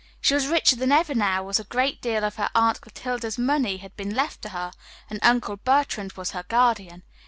She was richer than ever now, as a great deal of her Aunt Clotilde's money had been left to her, and Uncle Bertrand was her guardian.